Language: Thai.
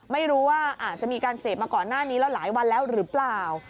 ไม่รู้ว่าอาจจะมีการเสพมาก่อนหน้านี้แล้วหลายวันแล้วหรือเปล่า